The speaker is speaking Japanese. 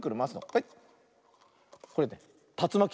はい。